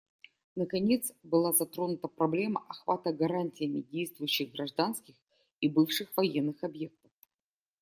Наконец, была затронута проблема охвата гарантиями действующих гражданских и бывших военных объектов.